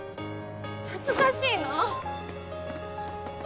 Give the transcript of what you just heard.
恥ずかしいの。